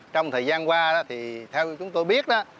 trong thời gian qua theo chúng tôi biết